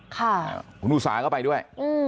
คุณอุสาเข้าไปด้วย